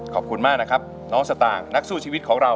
ขอบคุณมากนะครับน้องสตางค์นักสู้ชีวิตของเรา